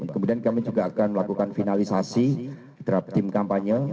kemudian kami juga akan melakukan finalisasi terhadap tim kampanye